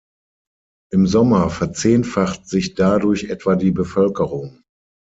Im Sommer verzehnfacht sich dadurch etwa die Bevölkerung.